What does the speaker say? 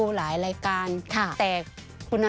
สวัสดีค่ะสวัสดีค่ะ